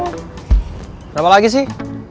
kenapa lagi sih